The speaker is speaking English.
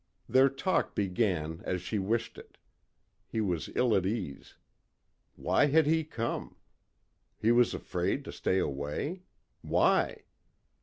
Their talk began as she wished it. He was ill at ease. Why had he come? He was afraid to stay away? Why?